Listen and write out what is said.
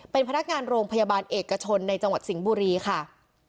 เป็นพนักงานโรงพยาบาลเอกชนในจังหวัดสิงห์บุรีค่ะ